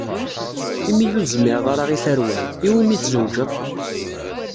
Imi ur tezmireḍ ara i terwa-m, iwumi i tezweǧeḍ?